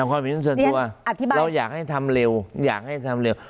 เราอยากให้ทำเร็วอยากให้ทำเร็ว